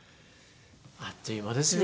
あっという間ですよね。